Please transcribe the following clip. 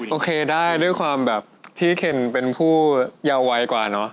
โอเคได้ด้วยความแบบที่เคนเป็นผู้เยาวไวกว่าเนอะ